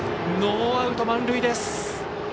ノーアウト満塁です。